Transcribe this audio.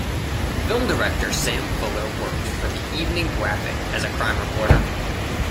Film director Sam Fuller worked for the "Evening Graphic" as a crime reporter.